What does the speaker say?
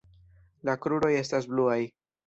La kruroj estas bluaj.